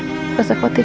kamu gak usah khawatir ya